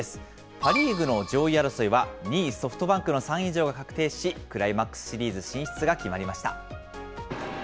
パ・リーグの上位争いは、２位ソフトバンクの３位以上が確定し、クライマックスシリーズ進出が決まりました。